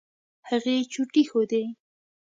هغې چوټې ښودې.